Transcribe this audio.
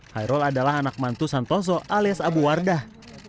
hairul adalah anak mantu santoso alias abu wardah